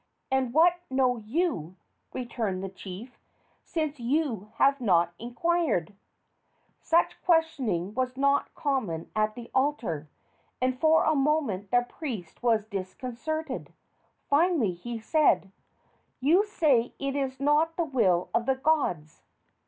"And what know you," returned the chief, "since you have not inquired?" Such questioning was not common at the altar, and for a moment the priest was disconcerted. Finally he said: "You say it is not the will of the gods.